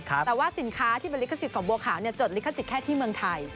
แต่ว่าสินค้าที่เป็นลิขสิทธิ์บัวขาวจดลิขสิทธิ์แค่ที่เมืองไทย